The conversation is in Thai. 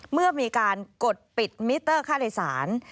เมื่อมีการกดปิดมิเตอร์ค่าโดยสาร